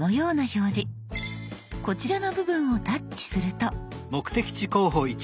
こちらの部分をタッチすると。